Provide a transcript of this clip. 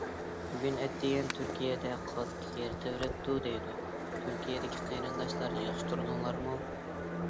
بۈگۈن ئەتىگەن تۈركىيەدە قاتتىق يەر تەۋرەپتۇ، دەيدۇ. تۈركىيەدىكى قېرىنداشلار، ياخشى تۇردۇڭلارمۇ؟